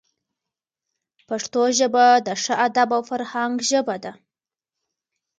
پښتو ژبه د ښه ادب او فرهنګ ژبه ده.